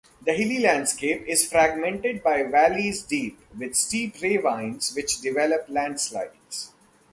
The hilly landscape is fragmented by valleys deep, with steep ravines which develop landslides.